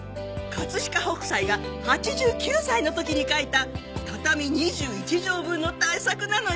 飾北斎が８９歳の時に描いた畳２１畳分の大作なのよ。